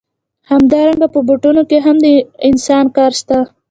همدارنګه په بوټانو کې هم د انسان کار شته